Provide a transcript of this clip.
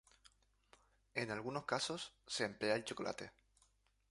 En algunos casos se emplea chocolate.